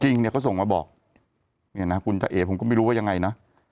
จริงเนี่ยเขาส่งมาบอกเนี่ยนะคุณจ้าเอ๋ผมก็ไม่รู้ว่ายังไงนะ